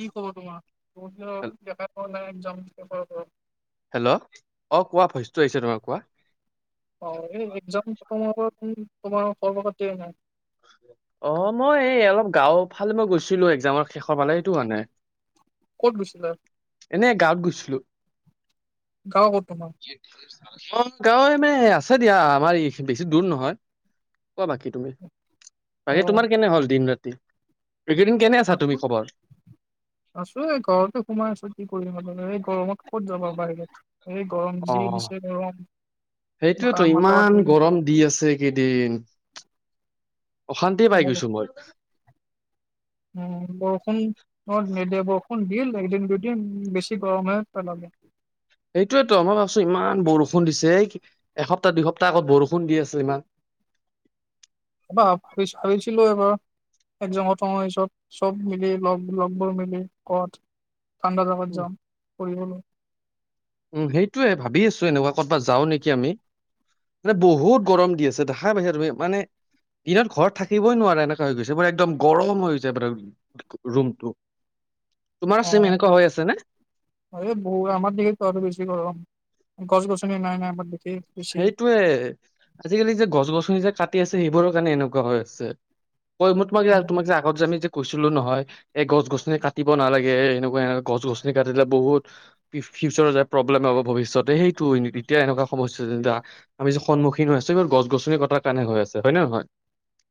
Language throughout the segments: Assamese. কি খব তোমাৰ তম হেল- দেখা পোৱা নাই। জম। হেল্ল' অ কোৱা ভইচটো আহিছে তোমাৰ কোৱা? অ এই একজাম তমাৰ পৰাম তোমাৰ সৰ্ব পাতি নাই। অ মই এই অলপ গাও ফালে মই গৈছিলো একজামৰ শেষৰ পালে এইটো কাৰণে। ক'ত গৈছিলা? এনেই গাঁৱত গৈছিলো। গা কৰত ন। গাঁৱে মানে আছে দিয়া আমাৰ এইিন বেছি দূৰ নহয় কোৱা বাকী তুমি পাৰে অ', তোমাৰ কেনে হ'ল দিন ৰা তে আছো আছো এই ঘৰতে সোমাই আছো কি কৰিম ত অ মই ক'ত যাব বাৰগাত অ মা সেইটোয়েতো মাথা ফাটি ইমান গৈছে। গৰম দি আছে কেইদিন অশান্তিয়ে পাই বৰ- গৈছো মই উম বৰষুণ অ মদ বৰষুণ দল একদিন দুদিন বেছি গৰম হৈ পালাগে সেইটোয়েতো মই ভাবছো ইমান বৰষুণ দিছে এই এসপ্তাহ দুসপ্তাহ আগত বৰষুণ দি আছে ইমান এবাৰ হাৰিছিলো এবাৰ একজ তনৰ পিছত চব মিলি লগ লগবোৰ মিলি কাত ঠাণ্ডা জাগাত উম যাম পৰি গো উম সেইটোোৱে ভাবি আছো এনেকুৱা কৰ'বাত যাও নেকি আমি মানে বহুত গৰম দি আছে দেখা পাইছা তুমি মানে দিনত ঘৰত থাকিবই নোৱাৰা এনেকা হৈ গৈছে ব একদম গৰম হৈ যায় ব ৰুমটো। তোমাৰ অ চেম এনেকুৱা হৈ আছে নে? বহু আমাৰ দি চেছ কৰ গছ গছনি নাই নাই ম সেইটোয়ে আজিকালি যে গছ গছনি যে কাটি আছে সেইবোৰৰ কাৰণে এনেকুৱা হৈ আছে। ক মই ত ম তম আগত য আমি। কৈছিলো নহয় এই গছ গছনি কাটিব নালাগে এনেকুৱা এ গছ গছনি কাটিলে বহুত ফিউচাৰৰ যায় প্ৰব্লেম হব ভৱিষ্যতে সেইটো এতিয়া এনেকুৱা সমস্যা আমি য যে সন্মুখীন হৈ আছো গছ গছনি কটাৰ কাৰণে হৈ আছে হয় নহ নহয়।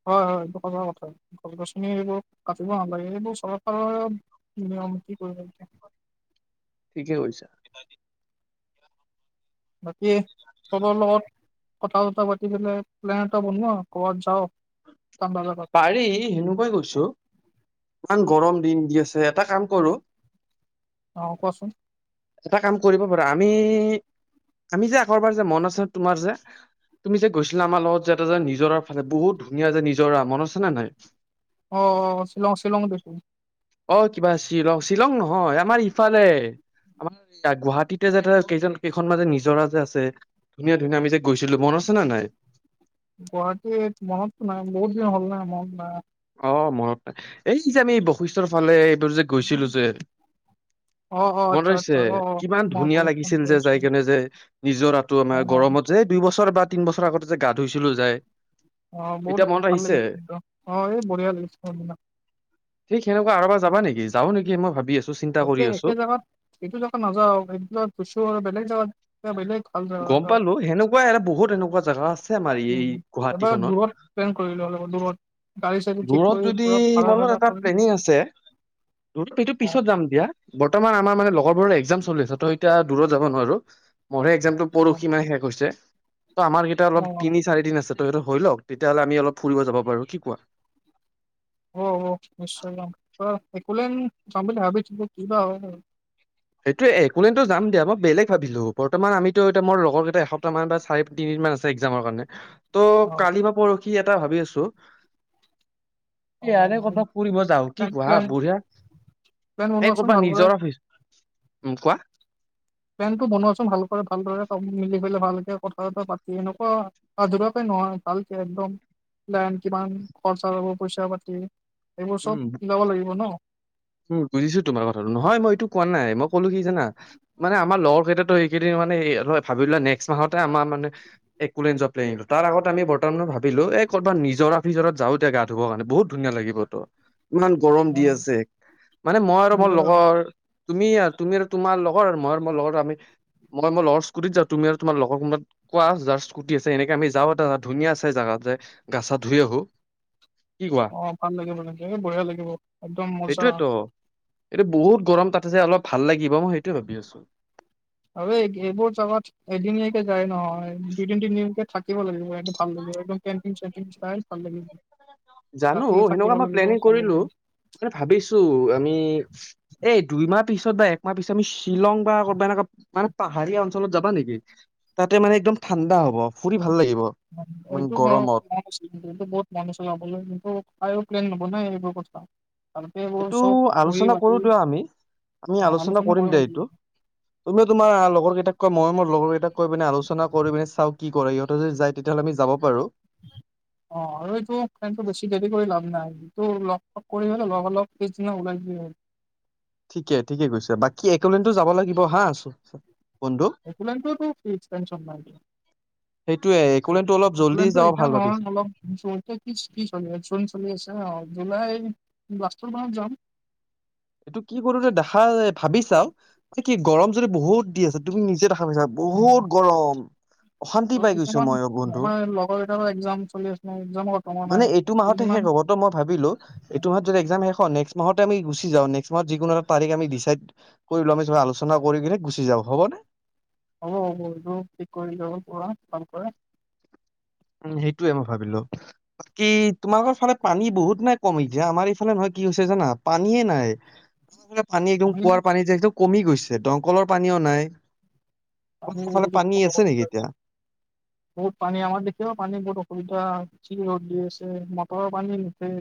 হয় - হয় এইটো সজা কথা গছ গছনি এইবোৰ কাটিব নালাগে এইবোৰ চৰকাৰৰ নিয়ম কি কৰিব এতিয়া। জ উছ [unintelligible] বাকী খবৰ লবৰ কথা চথা পাতি পেললে প্লেন এটা বনোৱা ক'ৰবাত যাওঁ। ঠাণ্ডা জেগাত পাৰি হেনুৱাই কৈছো [inaudible] ইমান গৰম দিন দি আছে এটা কাম কৰো অ কোৱাচোন এটা কাম কৰিব পাৰা আমি আমি যে আগৰবাৰ যে মন আছে তোমাৰ যে তুমি যে গৈছিলা আমাৰ লগত যেটা যে নিজৰ ফালে বহুত ধুনীয়া যে নিজৰ মনতো আছেনে নাই? অহ ', শ্বিলং - শ্বিলং দেখো অহ ', কিবা শ্বিলং - শ্বিলং নহয় আমাৰ ইফালে আমাৰ গুৱাহাটীতে যে কেইজন কেইখন মাজে নিজৰা যে আছে ধুনীয়া- ধুনীয়া আমি যে গৈছিলো মন আছে নে নাই? গুৱাহাটীৰ মনত নাই বহুত দিন হ'ল নাই মনত নাই অহ ', মনত এই যে আমি বৈশিষ্টৰ ফালে এইবোৰ যে গৈছিলো যে অ অ মনত আচ্ছা আহিছে আচ্ছা অ অ কিমান মনত ধুনীয়া পৰিছে মনত লাগিছিল যে পৰিছে যাই কেনে যে নিজৰটো অ আমাৰ গৰমত যে দুই বছৰ বাদ তিন বছৰ আগতে যে গাহ ধুইছিলো যায়। অহ ', বহুত ভাল লাগিছে অহ ', এই বঢ়িয়া লাগিছে ঠিক সেনেকুৱা আৰুবাৰ যাবা নেকি যা অহ ', নে মই ভাব আছো একে- একে জেগাত এইটো জেগাত নাযাও এই জেগাত গৈছো আৰু বেলেগ জেগাত এটা বেলেগ ভাল জেগা গম এটা পালো সেনেকুৱা এ বহুত এনেকুৱা জোগা আছে আমাৰ এই উম এবাৰ গুৱাহাটীখনত দূৰত প্লেন কৰিলো অলপ দূৰত গাড়ী চাড়ী ঠিক দূৰত কৰি যদি পুৰা ভাড়া মলত চাড়া এটা কৰি প্লেনিং আছে। ত', এইটো অ পিছত যাম দিয়া বৰ্তমান আমাৰ মানে লগৰবোৰৰ এক্জাম চলি আছে তই এতিয়া দূৰত যাব নোৱাৰো মোৰে পৰহি মানেহে শেষ হৈছে। ত', আমাৰ কেইটা অ অলপ অ তিনি চাৰি দিন আছে তোহোত হৈ লওক তেতিয়াহ'লে আমি অলপ ফুৰিব যাব পাৰো কি কোৱা? অহ - অহ নিশ্চয় যাম একুলে যাম বুলি ভাবিছিলো কিবা হয়। সেইটোয়ে একুলেনট যাম দিয়া মই বেলেগ ভাবিলো বৰ্তমান আমিতো এতিয়া মোৰ লগৰ কেইটা এসপ্তাহ মান বা চাৰি তিনিদিন মান আছে একজামৰ কাৰণে ত' অ কালি বা পৰখি কি এটা ভাবি আছো। অ ইয়াৰে কৰ'বাত ফুৰিব যাও কি প্লেন ক হা প্লেন বুঢ়া প্লেন এই বনোৱাচোন কৰ'বাত ভালদৰে নিজৰা উম ', কোৱা? পেনটো বনোৱাচোন ভাল কৰা ভালদৰে ছবে মিলি পেলাই ভাল কে কথা বতা পাতি এনেকুৱা আধৰুৱাকে নহয় ভালকে একদম লেন কিমান খৰচা হব পইচা পাতি এইবোৰ চব উম মিলাব লাগিব ন উম বুজিছো তোমাৰ কথাটো নহয় মই এইটো কোৱা নাই মই কলো কি জানা মানে আমাৰ লগৰ কেইটা এইকেইদিন মানে ভাবিলো নেক্স মাহতে আমাৰ মানে একলেণ্ড যোৱা প্লেন আৰু তাৰ আগত আমি বৰ্তমানত ভাবিলো এই ক'ৰবাত নিজৰ ফিজৰাত যাও দে গা ধুব কাৰণে বহুত ধুনীয়া লাগিব তো ইমান গৰম দি অ', আছে মানে মই আৰু মোৰ নিজৰ লগৰ তুমি আৰু তুমি আৰু তোমাৰ লগৰ আৰু মই লগৰ আমি মই মই লগৰ স্কুটিত যাওঁ তুমি আৰু তোমাৰ লগৰত কোৱা যাৰ স্কুটি আছে এনেকে আমি যাওঁ এটা ধুনীয়া চছে জাগাত যে গাছা ধুই আহো কি কোৱা? অ ভাল লাগে মানে এ বঢ়িয়া লাগিব একদম মজা সেইটোয়েতো এইটো বহুত গৰম তাতে যে অলপ ভাল লাগিব মই সেইটোৱে ভাবি আছো আৰু এই-এইবোৰ যাগাত এদিনীয়াকে যায় নহয় দুইদিন তিনিদিনকে থাক কিব লাগিব একদম ভাল লাগিব একদম কেন্টিন চেন্টিন চাই ভাল লাগিব। জানো ৰাতি থাকিব হেনেকুৱা মই লাগিব প্লেনিং ভাল কৰিলো লাগিব মানে ভাবিছো আমি এই দুইমাহ পিছত বা একমাহ পিছত আমি শ্বিলং বা ক'বা এনেকুৱা মানে পাহাৰীয়া অঞ্চলত যাবা নেকি তাতে মানে একদম ঠাণ্ডা হব ফুৰি ভাল লাগিব মানে এইটো মই গৰমত। মু এইটো বহুত মানুচলাম আ কিন্তু তায়ো প্লেন নবনাই এইবোৰ কথা ভালকে এইবোৰ এইটো চব বহি আলোচনা মাতি কৰো দিয় আমি আমি অ', আলোচনা কৰিম কৰিব দে লাগিব এইটো তুমিও তোমাৰ লগৰ কেইটা তাত কয় মই মোৰ লগৰ কেইটাক কৈ পিনে আলোচনা কৰি পিনে চাওঁ কি কৰে ইহতে যদি যাই তেতিয়াহ'লে আমি যাব পাৰো অ আৰু এইটো প্লেনটো বেছি দেৰি কৰি লাভ নাই এইটো লগ চগ কৰিলে লগালগ পিছদিনা ওলাই য ঠিকে ঠিকে কৈছে বাকী এক'লেন্ডো যাব লাগিব হা চব এক'লেন্ডটো টো ফিক্স টেনচন নাই এতিয়া সেইটোয়ে ট একলেনটো অলপ জল্দি এক'লেন্ড টো যাব এতিয়া ভাল নহয় ভাবিছো অলপ কি চলি আছে একচলিন চলি আছে আউট জুলাই লাষ্টৰ মানত যাম এইটো কি কৰো যে দেখা ভাবি চাও এই কি গৰম যদি বহুত দি আছে তুমি নিজে দেখ তাপিচত বহুত গৰম অশান্তি ত' পাই গৈছো কিছুমান মই অ বন্ধু আমাৰ লগৰ কেইটাৰো এক্সাম চলি আছে ন এক্সাম খতম হোৱা নাই। মানে এইটো মাহতে কেইদিনমান শেষ হব তো মই ভাবিলো এইটো মাহত যদি একজাম শেষ হয় নেক মাহতে আমি গুচি কিজা নেক্সট মাহতযিকোনো এটা তাৰিখ আমি ডিচাইড কৰি লোৱা পিছত আলোচনা কৰি কিনে গুচি যাও। হ'বনে? হ'ব হ'ব এইটো ঠিক কৰি লব পোৰা ভাল দৰে উম সেইটোয়ে মই ভাবিলো। বাকী তোমালোকৰ ফালে পানী বহুত নে কমিল যে আমাৰ এইফালে নহয় কি হৈছে জানা পানীয়ে নাই পানী একদম কুঁৱাৰ পানী যে এইটো কমি গৈছে দমকলৰ পানীও নাই পানী তোমালোকৰ ফালে পানী আছে নেকি এতিয়া? বহুত পানী আমাৰ দে এতিয়াও পানী বহুত অসুবিধা যি ৰ'দ দি আছে মটৰৰ পানী নুঠে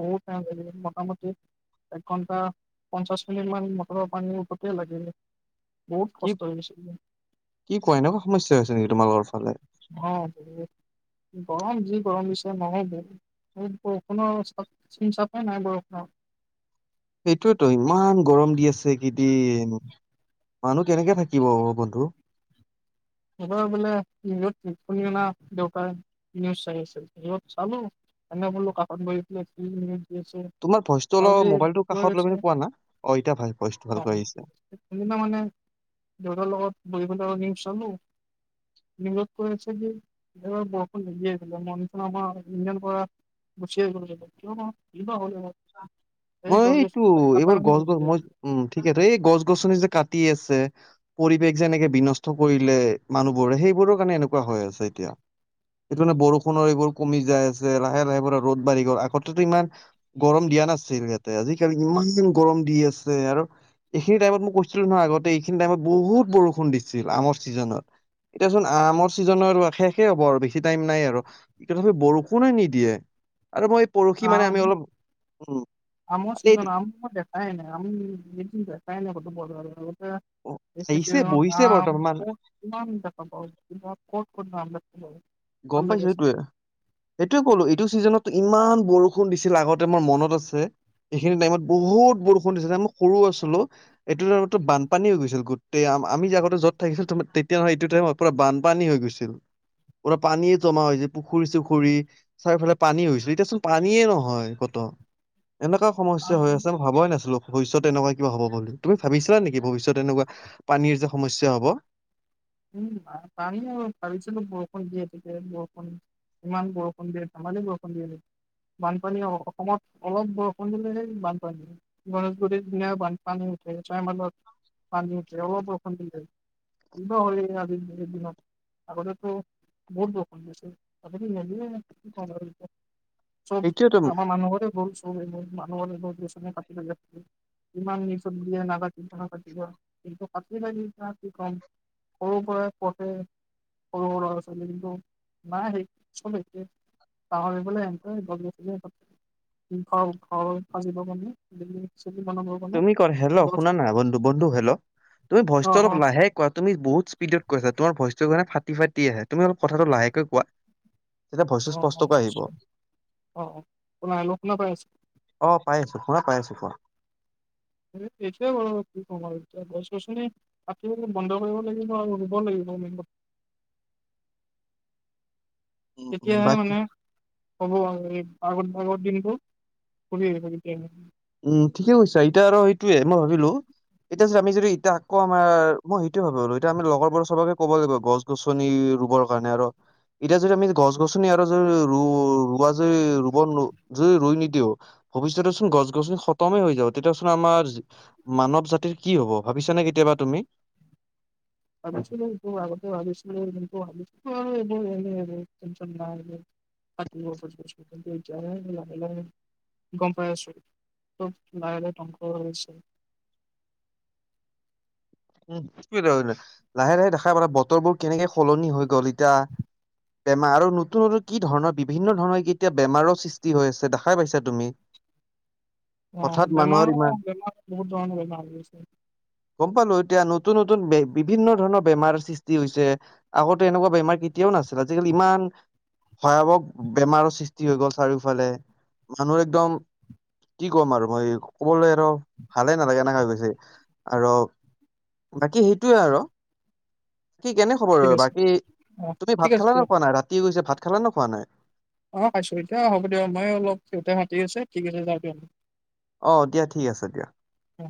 বহুত টাইম লাগে মোটামুটি একঘণ্টা পঞ্চাছ মিনিট মান মটৰৰ পানী উঠোতে লাগিলে বৌত কি কষ্ট হৈ গৈছিলে। কি কোৱা? এনেকুৱা সমস্যা হৈছে নেকি তোমালোকৰ ফালে? অ', গৰম যি গৰম দিছে [unintelligible] বৰষুণৰ চাপ চিন চাপেই নাই বৰষুণৰ সেইটোয়েতো ইমান গৰম দি আছে এইকেইদিন মানুহ কেনেকে থাকিব অ', বন্ধু? এইবাৰ বোলে [unintelligible] দেউতাই নিউজ চাই আছিল, চালো এনে বোলো কাষত বহি পেলা কি নিউজ তোমাৰ ভইচটো অলপ মোবাইলটো কাষত লৈ পিনে কোৱা না। অ এতিয়া ভাল ভইচটো ভালকৈ আহিছে। [unintelligible] সিদিনা মানে দেউতাৰ লগত বহি [unintelligible] নিউজ কৈ আছে যে, এইবাৰ বৰষুণ নিদিয়ে [unintelligible] ইন্ডিয়াৰ পৰা গুচিয়ে গ'ল কিয় বা? কি বা হ'ল? এইবাৰ। এই মই গছ এইটো, গছনি কটা এইবাৰ কাটি গছ-গছ হৈছিলে মই বোলে। উম, ঠিকেইটো এই গছ, গছনি যে, কাটি আছে পৰি বেশ যেনেকে বিনষ্ট কৰিলে মানুহবোৰে সেইবোৰৰ কাৰণে এনেকুৱা হৈ আছে এতিয়া, সেইটো কাৰণে বৰষুণৰ এইবোৰ কমি যায় আছে লাহে, লাহে পোৰা ৰ'দ বাঢ়ি গ'ল আগতেটো ইমান গৰম দিয়া নাছিল ইয়াতে আজিকালি ইমান গৰম দি আছে আৰু এইখিনি টাইমত মই কৈছিলো নহয় আগতে এইখিনি টাইমত বহুত বৰষুণ দিছিল আমৰ চিজনত, এতিয়াচোন আমৰ চিজনৰ শেষে হ'ব আৰু বেছি টাইম নাই আৰু তথাপি বৰষুণে নিদিয়ে। আৰু মই পৰহি, মানে, আম আমি অলপ উম আমৰ এই ছিজন। আম মই দেখাই নাই। আমি [unintelligible] দেখাই নাই [inaudible] এইটো আহিছে ছিজনত বহিছে আম বৰ্তমান ক'ত, কিমান দেখা পাওঁ তোমাৰ ক'ত, ক'ত [unintelligible] ভাল গম লাগি পাইছোঁ। আছে সেইটোৱেই, এইটোৱেই ক'লো। এইটো ছিজনত ইমান বৰষুণ দিছিল। আগতে মোৰ মনত আছে, এইখিনি টাইমত বহুত বৰষুণ দিছিল। মই সৰু আছিলোঁ। এইটো টাইমতো বানপানী হৈ গৈছিল। গোটেই আমি যে আগতে য'ত থাকিছিলোঁ, তেতিয়া নহয়, এইটো টাইমত পুৰা বানপানী হৈ গৈছিল। পুৰা পানীয়ে জমা হৈ যায়। পুখুৰী-চুখুৰী, চাৰিওফালে পানী হৈছিল। এতিয়াচোন পানীয়ে নহয় ক'তো। এনেকুৱা সমস্যা হৈ আছে। মই ভবাই নাছিলোঁ ভৱিষ্যত এনেকুৱা কিবা হ'ব বুলি তুমি ভাবিছিলা নেকি? ভৱিষ্যত এনেকুৱা পানীৰ যে সমস্যা হ'ব উম, পানী আৰু ভাবিছিলোঁ। বৰষুণ দিয়ে, তেতিয়া বৰষুণ, ইমান বৰষুণ দিয়ে। ধেমালি বৰষুণ দিয়ে নেকি? বানপানী অসমত অলপ বৰষুণ দিলেই। সেই বানপানী গণেশগুৰিৰ পিনেও বানপানী উঠে, ছয়মাইলত পানী উঠে অলপ বৰষুণ দিলেই কিবা হ'ল এই আজিৰ দিনত। আগতেতো বহুত বৰষুণ দিছিল, আজিকালি নিদিয়ে। কি ক'ম আৰু এতিয়া চব এইটোয়েতো আমাৰ মানুহৰে ভুল। মানুহৰ নিজৰ গছ-গছনি কাটি থৈ দিয়ে। কিমান নিউজত দিয়ে, নাকাটিবা, নাকাটিবা, কিন্তু কাটি থৈ দিয়ে। কি ক'ম সৰু পৰাই পঢ়ে সৰু, সৰু ল'ৰা-ছোৱালী, কিন্তু নাই। সেই চব একেই। ডাঙৰ হৈ গ'লে সিহঁতেও গছ-গছনি কাটে। দীঘল ঘৰ সাজিব কাৰণে, বিল্ডিংছ তুমি কল, হেল্ল', শুনা না। বন্ধু, বন্ধু, হেল্ল'। তুমি ভইচটো অ', অলপ অ', লাহে কোৱা। তুমি বহুত স্পীডত কৈ আছা তোমাৰ ভইচটো মানে ফাটি, ফাটি আহে তুমি অলপ কথাটো লাহেকে কোৱা। তেতিয়া ভইচটো অ', অ', স্পষ্টকৈ আহিব নিশ্চয় অহ, অহ, শুনা-হেল্ল' শুনা পাই আছে? অ', পাই আছো শুনা পাই আছো কোৱা। এইটোৱে বাৰু কি কম আৰু এতিয়া গছ গছনি কাটিবলৈ বন্ধ কৰিব লাগিব আৰু ৰুব লাগিব আমি [unintelligible] উম উম তেতিয়াহে বাকী মানে হ'ব আৰু আগত, আগৰ দিনতবোৰ ঘূৰি আহিব তেতিয়াহে। উম, ঠিকে কৈছা এতিয়া আৰু এইটোৱে মই ভাবিলোঁ, এতিয়া চা আমি যদি এতিয়া আকৌ আমাৰ মই সেইটোৱে ভাৱোঁ আৰু এতিয়া আমি লগৰবোৰক চবকে ক'ব লাগিব গছ গছনি ৰুবৰ কাৰণে আৰু এতিয়া যদি আমি গছ গছনি আৰু য-ৰু-ৰুৱা যে-ৰুব যে, ৰুই নিদিও ভৱিষ্যতে চোন গছ গছনি খতমেই হৈ যাব তেতিয়া চোন আমাৰ মানৱ জাতিৰ কি হ'ব ভাবিছা নে কেতিয়াবা তুমি? ভাবিছিলোঁ এইটো আগতেও ভাবিছিলোঁ কিন্তু ভাবিছিলোঁ আৰু এইবোৰ এনে, এনে টেনচন নাই আৰু থাকিব বছৰ, বছৰ কিন্তু এতিয়াহে লাহে, লাহে গম পাই আছো লাহে, লাহে ধ্বংস হৈছে। [unintelligible] লাহে লাহে দেখাই পাবা বতৰবোৰ কেনেকে সলনি হৈ গ'ল এতিয়া, বেমাৰ আৰু নতুন নতুন কি ধৰণৰ বিভিন্ন ধৰণৰ এতিয়া বেমাৰৰ সৃষ্টি হৈ আছে দেখাই পাইছা তুমি। অ', হঠাৎ মানুহৰ ইমান বেমাৰো বেমাৰ বহুত ধৰণৰ বেমাৰ হৈ আছে। গম পালোঁ। এতিয়া নতুন নতুন বে বিভিন্ন ধৰণৰ বেমাৰ সৃষ্টি হৈছে, আগতে এনেকুৱা বেমাৰ কে তিয়াও নাছিল আজিকালি ইমান ভয়াৱহ বেমাৰৰ সৃষ্টি হৈ গ'ল চাৰিওফালে, মানুহ একদম, কি ক'ম আৰু মই ক'বলৈ আৰু, ভালে নালাগা সেনেকা হৈ গৈছে, আৰু বাকী সেইটোৱে আৰু। কি কেনে খবৰ ঠিক আৰু আছে বাকী, অ তুমি ঠিক ভাত আছে খালা নে দিয়ক খোৱা নাই ৰাতি হৈ গৈছে ভাত খাবা নে খোৱা নাই? অ', খাইছোঁ এতিয়া হ'ব দিয়ক মই অলপ সিহঁতে হাতি আছে ঠিক আছে যাওঁ দিয়ক। অ', দিয়া ঠিক আছে দিয়া। অ